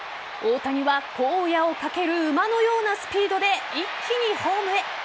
大谷は荒野を駆ける馬のようなスピードで一気にホームへ。